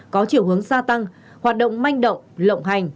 có chiều hướng gia tăng hoạt động manh động lộng hành